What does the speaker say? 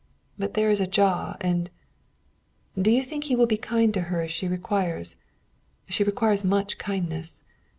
But there is a jaw, a Do you think he will be kind to her as she requires? She requires much kindness.